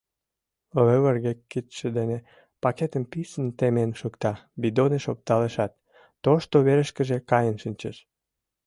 Лывырге кидше дене пакетым писын темен шукта, бидоныш опталешат, тошто верышкыже каен шинчеш.